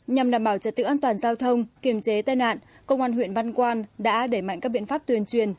nhằm đảm bảo trật tự an toàn giao thông kiềm chế tai nạn công an huyện văn quan đã đẩy mạnh các biện pháp tuyên truyền